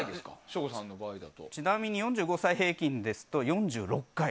ちなみに４５歳平均ですと４６回。